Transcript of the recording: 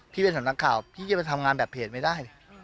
พี่เป็นสำนักข่าวพี่จะไปทำงานแบบเพจไม่ได้